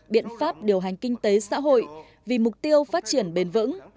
biện pháp điều hành kinh tế xã hội vì mục tiêu phát triển bền vững